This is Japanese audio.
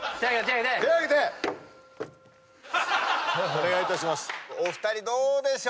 お願いいたします。